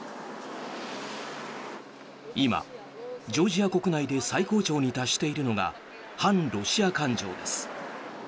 今、ジョージア国内で最高潮に達しているのが反ロシア感情です。